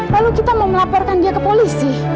lalu kita mau melaporkan dia ke polisi